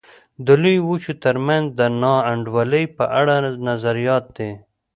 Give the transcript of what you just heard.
د لویو وچو ترمنځ د نا انډولۍ په اړه نظریات دي.